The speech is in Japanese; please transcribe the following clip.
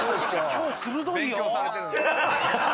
今日鋭いよ。